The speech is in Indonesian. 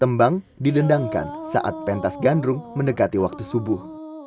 kembang didendangkan saat pentas gandrung mendekati waktu subuh